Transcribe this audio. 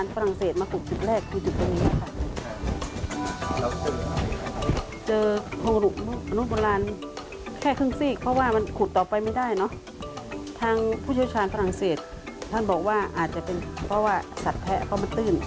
เพราะว่าอาจจะเป็นเพราะว่าสัตว์แพะพร้อมเต้น